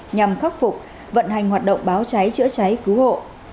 nhằm khắc phục vận hành hoạt động báo cháy chữa cháy cứu hộ